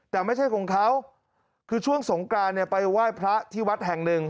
แต่ไม่ใช่ของเขาคือช่วงสงกรานเนี่ยไปไหว้พระที่วัดแห่งหนึ่ง